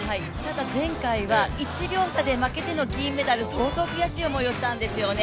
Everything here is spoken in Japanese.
前回は１秒差で負けての銀メダル、相当悔しい思いをしたんですよね。